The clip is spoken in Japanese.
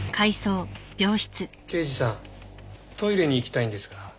刑事さんトイレに行きたいんですが。